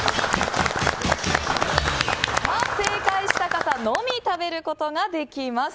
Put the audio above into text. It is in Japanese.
正解した方のみ食べることができます。